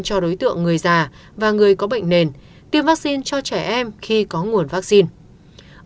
cho đối tượng người già và người có bệnh nền tiêm vaccine cho trẻ em khi có nguồn vaccine